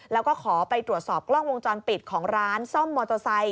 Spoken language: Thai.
แล้วก็ขอไปตรวจสอบกล้องวงจรปิดของร้านซ่อมมอเตอร์ไซค